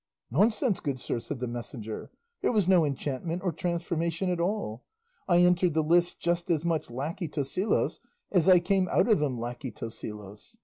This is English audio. "Nonsense, good sir!" said the messenger; "there was no enchantment or transformation at all; I entered the lists just as much lacquey Tosilos as I came out of them lacquey Tosilos.